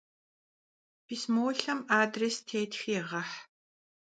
Pismoulhem adrês têtxi yêğeh.